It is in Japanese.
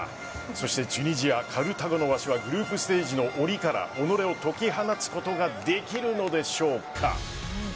そしてチュニジア・カルタゴのワシはグループステージのおりから己を解き放つことができるのでしょうか。